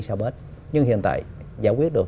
xa bến nhưng hiện tại giải quyết được